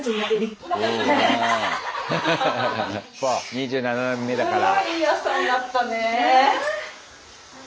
２７年目だから。